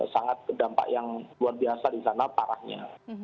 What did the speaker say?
sangat dampak yang luar biasa di sana parahnya